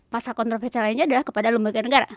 pasal kontroversial lainnya adalah kepada lembaga negara